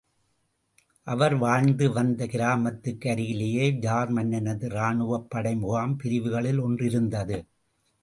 அவர் வாழ்ந்து வந்த கிராமத்துக்கு அருகிலேயே ஜார் மன்னனது ராணுவப் படை முகாம் பிரிவுகளில் ஒன்றிருந்தது.